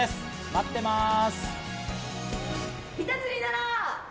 待ってます。